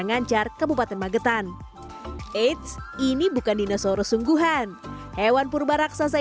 ngancar kabupaten magetan eits ini bukan dinosoro sungguhan hewan purba raksasa